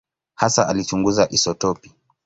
Hasa alichunguza isotopi.